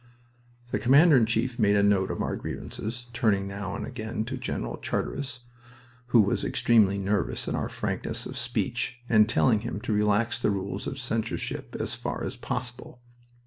The Commander in Chief made a note of our grievances, turning now and again to General Charteris, who was extremely nervous at our frankness of speech, and telling him to relax the rules of censorship as far as possible.